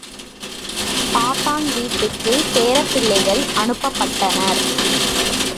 பாட்டன் வீட்டுக்குப் பேரப் பிள்ளைகள் அனுப்பப் பட்டனர்.